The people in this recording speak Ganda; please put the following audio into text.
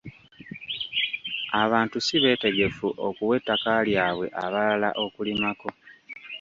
Abantu si beetegefu okuwa ettaka lyabwe abalala okulimirako.